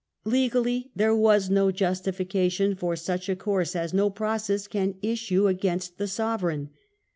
Legally there was no justification for such a course, as no process can issue against the sovereign.